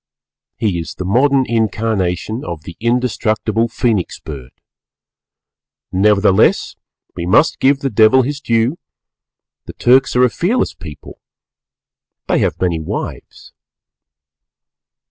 _ He is the modern incarnation of the indestructible Phœnix Bird. Nevertheless we must give the Devil his due; the Turks are a fearless people; they have many wives.